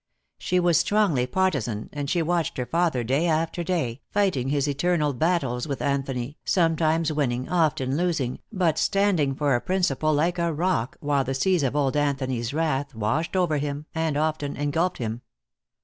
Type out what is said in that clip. She was strongly partizan, and she watched her father, day after day, fighting his eternal battles with Anthony, sometimes winning, often losing, but standing for a principle like a rock while the seas of old Anthony's wrath washed over and often engulfed him.